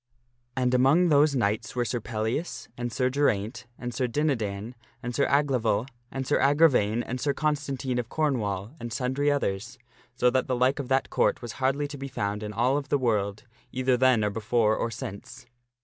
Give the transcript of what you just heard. And among those Knights ~ gn Guine _ were Sir Pellias, and Sir Geraint, and Sir Dinadan, and Sir veregoeth Aglaval, and Sir Agravaine, and Sir Constantine of Cornwall, a ~ Ma y in s and sundry others, so that the like of that Court was hardly to be found in all of the world, either then or before or since.